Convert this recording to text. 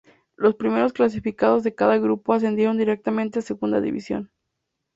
Los primeros clasificados de cada grupo ascendieron directamente a Segunda División.